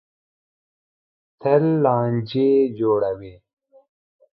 تل لانجې جوړوي.